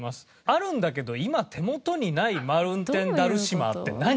あるんだけど今手元にないマウンテンダルシマーって何？